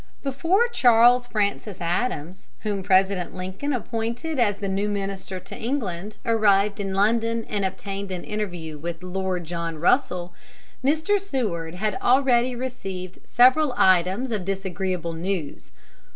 Before Charles Francis Adams, whom President Lincoln appointed as the new minister to England, arrived in London and obtained an interview with Lord John Russell, Mr. Seward had already received several items of disagreeable news.